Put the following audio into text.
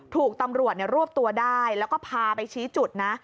ถูกตำรวจรวบตัวได้แล้วก็พาไปชี้จุดนะ